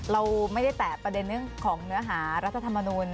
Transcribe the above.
เราไม่ได้แตะประเด็นเรื่องของเนื้อหารัฐธรรมนูล